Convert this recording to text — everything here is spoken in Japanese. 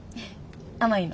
甘いの。